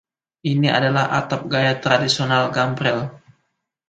Ini adalah atap gaya tradisional gambrel.